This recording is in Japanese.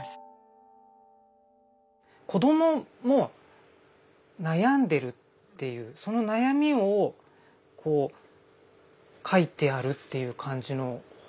子供も悩んでるっていうその悩みを書いてあるっていう感じの本なんですよね。